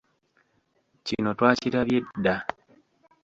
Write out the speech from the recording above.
Kino twakirabye dda.